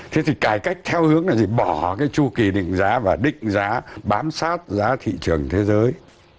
thế thì cải cách theo hướng là gì bỏ cái chu kỳ định giá và định giá bám sát giá thị trường thế giới